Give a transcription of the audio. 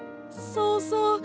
そうそう！